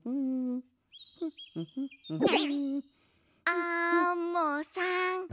アンモさん。